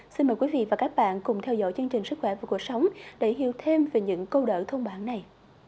xin mời quý vị và các bạn cùng theo dõi chương trình sức khỏe và cuộc sống để hiểu thêm về những câu đỡ thôn bản này